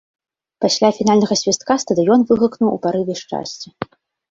Пасля фінальнага свістка стадыён выгукнуў ў парыве шчасця.